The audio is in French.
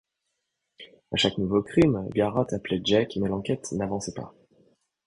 À chaque nouveau crime, Garotte appelait Jake, mais l'enquête n'avançait pas.